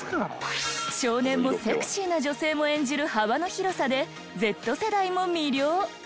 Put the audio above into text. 少年もセクシーな女性も演じる幅の広さでＺ世代も魅了！